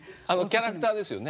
キャラクターです。